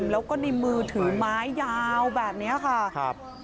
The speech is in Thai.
แล้วก็ในมือถือไม้ยาวแบบนี้ค่ะครับ